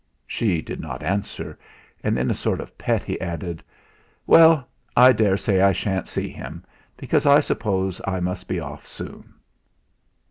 She did not answer; and in a sort of pet he added: "Well, I daresay I shan't see him, because I suppose I must be off soon."